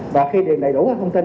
và khi điền đầy đủ thông tin